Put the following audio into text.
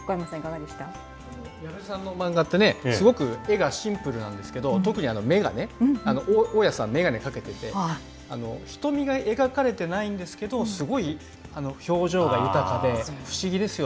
矢部さんの漫画ってね、すごく絵がシンプルなんですけど、特に眼鏡、大家さん、眼鏡かけてて、瞳が描かれてないんですけど、すごい表情が豊かで、不思議ですよ